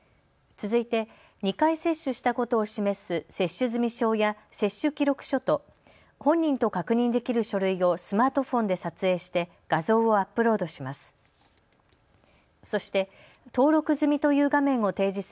続いて２回接種したことを示す接種済証や接種記録書と本人と確認できる書類をスマートフォンで撮影して画像をアップロードします。